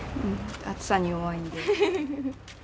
暑さに弱いんで。